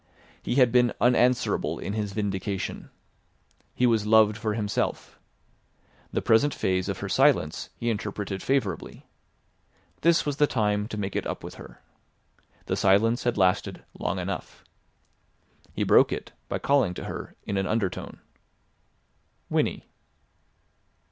He had been unanswerable in his vindication. He was loved for himself. The present phase of her silence he interpreted favourably. This was the time to make it up with her. The silence had lasted long enough. He broke it by calling to her in an undertone. "Winnie."